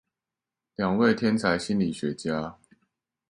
兩位天才心理學家